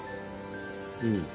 うん。